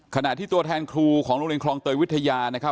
ขณะที่ตัวแทนครูของโรงเรียนคลองเตยวิทยานะครับ